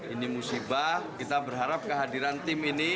ini musibah kita berharap kehadiran tim ini